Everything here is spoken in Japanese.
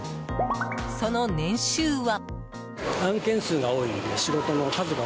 その年収は。